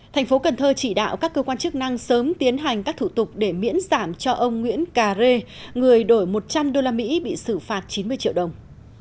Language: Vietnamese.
thành phố cần thơ chỉ đạo các cơ quan chức năng sớm tiến hành các thủ tục để miễn giảm cho ông nguyễn cà rê người đổi một trăm linh usd bị xử phạt chín mươi triệu đồng